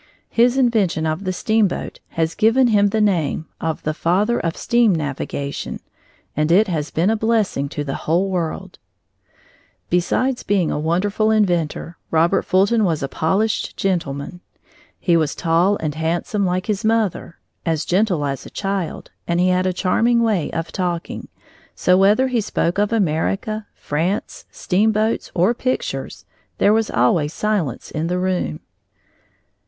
His invention of the steamboat has given him the name of the "Father of Steam Navigation," and it has been a blessing to the whole world. Besides being a wonderful inventor, Robert Fulton was a polished gentleman. He was tall and handsome, like his mother, as gentle as a child, and he had a charming way of talking, so whether he spoke of America, France, steamboats, or pictures, there was always silence in the room.